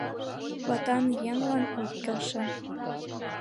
Ватан еҥлан ок келше...